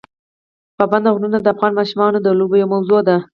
پابندي غرونه د افغان ماشومانو د لوبو یوه موضوع ده.